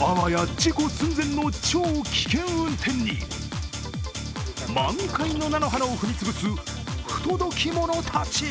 あわや事故寸前の超危険運転に満開の菜の花を踏み潰す不届き者たち。